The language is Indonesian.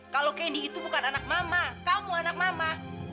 kalau kendi itu bukan anak mama kamu anak mama